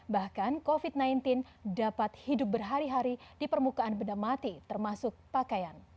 bahkan covid sembilan belas dapat hidup berhari hari di permukaan benda mati termasuk pakaian